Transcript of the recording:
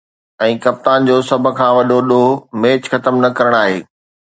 ۽ ڪپتان جو سڀ کان وڏو ”ڏوهه“ ميچ ختم نه ڪرڻ آهي.